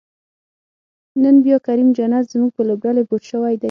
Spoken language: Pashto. نن بیا کریم جنت زمونږ په لوبډلی بوج شوی دی